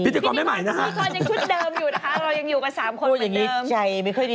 พิธีกรยังชุดเดิมอยู่นะคะเรายังอยู่กับ๓คนเหมือนเดิม